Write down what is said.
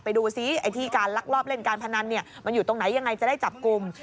ไปดูซิไอ้ที่การลักลอบเล่นการพนันมันอยู่ตรงไหนยังไงจะได้จับกลุ่ม